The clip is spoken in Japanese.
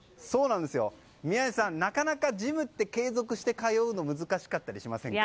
宮司さん、なかなかジムは継続して通うのは難しかったりしませんか。